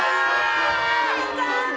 残念！